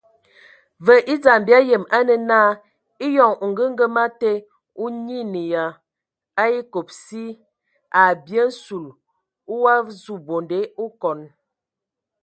Və e dzam bia yəm a nə na, eyɔŋ ongəgəma te a nyiinə ya a ekob si,a bye nsul o wa zu bonde okɔn.